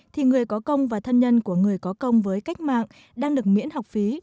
thì người có công và thân nhân của người có công với cách mạng đang được miễn học phí